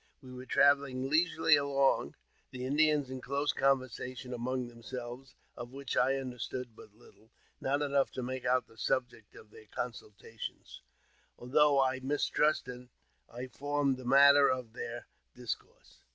We were travelling leisurely along, the Indians in close ' conversation among themselves of which I understood but little — not enough to make out the subject of their consulta tion, though I mistrusted I formed the matter of their dis course.